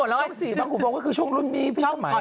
ช่องสีบางขุนพรมก็คือช่องรุ่นมีช่องไหม